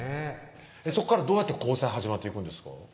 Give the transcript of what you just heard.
そこからどうやって交際始まっていくんですか？